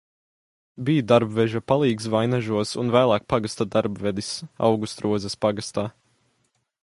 Bij darbveža palīgs Vainižos un vēlāk pagasta darbvedis Augstrozes pagastā.